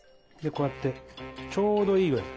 こうやってちょうどいい具合に。